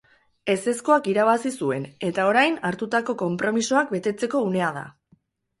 Ezezkoak irabazi zuen, eta orain hartutako konpromisoak betetzeko unea da.